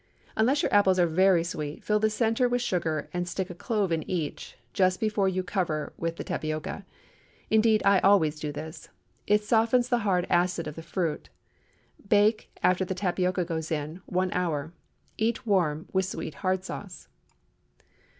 Unless your apples are very sweet fill the centre with sugar and stick a clove in each, just before you cover with the tapioca. Indeed, I always do this. It softens the hard acid of the fruit. Bake, after the tapioca goes in, one hour. Eat warm, with sweet hard sauce.